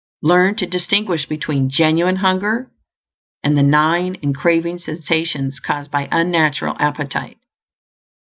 Learn to distinguish between genuine hunger and the gnawing and craving sensations caused by unnatural appetite.